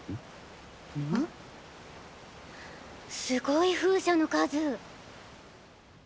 すごい風車の数。